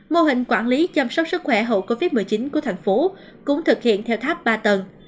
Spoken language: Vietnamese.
mô hình quản lý chăm sóc sức khỏe hậu covid một mươi chín của thành phố cũng thực hiện theo tháp ba tầng